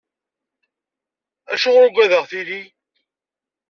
Acuɣer ugadeɣ tili?